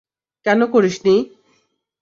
কেন করিস নি?